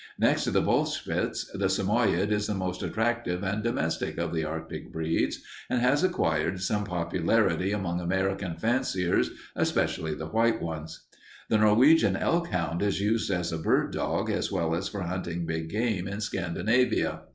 Next to the wolfspitz, the Samoyede is the most attractive and domestic of the Arctic breeds and has acquired some popularity among American fanciers, especially the white ones. "The Norwegian elkhound is used as a bird dog as well as for hunting big game in Scandinavia.